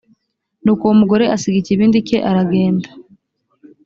nuko uwo mugore asiga ikibindi cye aragenda